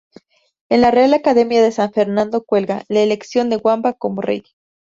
En la Real Academia de San Fernando cuelga "La Elección de Wamba como Rey".